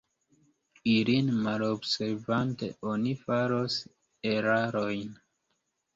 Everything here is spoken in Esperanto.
Ilin malobservante oni faros erarojn.